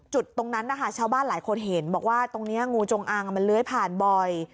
จุดตรงนั้นนะคะชาวบ้านหลายคนเห็นบอกว่าตรงนี้งูจงอางมันเลื้อยผ่านบ่อย